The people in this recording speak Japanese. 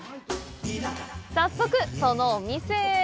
早速、そのお店へ。